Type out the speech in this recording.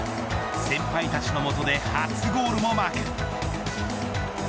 先輩たちの元で初ゴールもマーク。